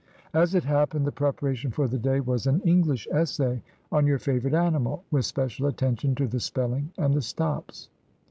As it happened, the preparation for the day was an English Essay on "Your favourite Animal," with special attention to the spelling and the stops.